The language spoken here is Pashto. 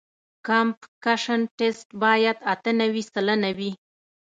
د کمپکشن ټسټ باید اته نوي سلنه وي